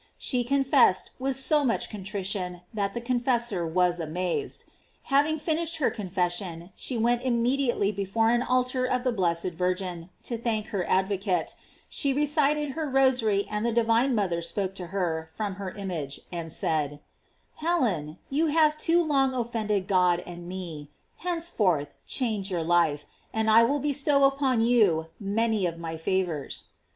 She confessed with so much contrition, that the confessor was amazed. Having finished her confession, she went immediately before an altar of the blessed Virgin, to thank her advocate; she recited her rosary, and the divine mother spoke to her from her image, and said; "Helen, you have too long offended God and me; hence forth change your life, arid I will bestow upon you many of my favors."